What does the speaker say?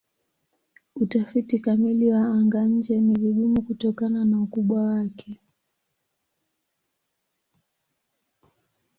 Utafiti kamili wa anga-nje ni vigumu kutokana na ukubwa wake.